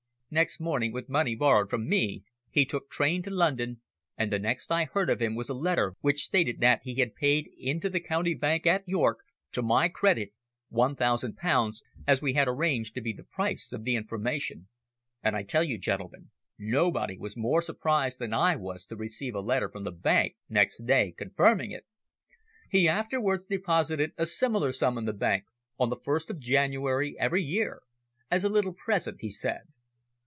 Next morning, with money borrowed from me, he took train to London and the next I heard of him was a letter which stated that he had paid into the County Bank at York to my credit one thousand pounds, as we had arranged to be the price of the information. And I tell you, gentlemen, nobody was more surprised than I was to receive a letter from the bank next day, confirming it. He afterwards deposited a similar sum in the bank, on the first of January every year as a little present, he said."